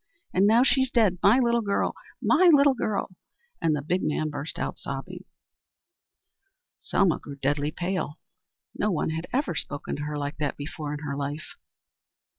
And now she's dead. My little girl, my little girl!" And the big man burst out sobbing. Selma grew deadly pale. No one had ever spoken to her like that before in her life.